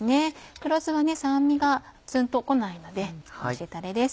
黒酢は酸味がツンと来ないのでおいしいたれです。